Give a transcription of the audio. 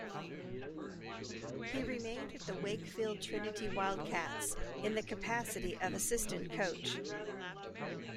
He remained at the Wakefield Trinity Wildcats, in the capacity of assistant coach.